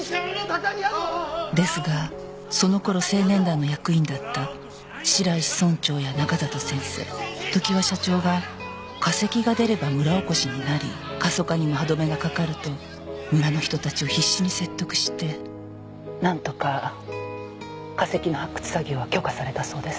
ですがその頃青年団の役員だった白石村長や中里先生常盤社長が化石が出れば村おこしになり過疎化にも歯止めがかかると村の人たちを必死に説得してなんとか化石の発掘作業は許可されたそうです。